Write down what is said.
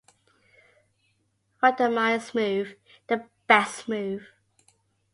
Randomized move, the best move!